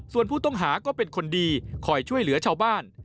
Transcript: ส่วนผู้ต้องหาก็เป็นคนดีคอยช่วยเหลือชาวบ้าน